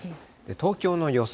東京の予想